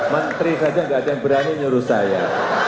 menteri saja tidak ada yang berani nyuruh saya